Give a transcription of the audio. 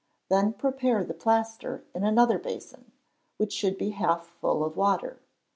Then prepare the plaster in another basin, which should be half full of water.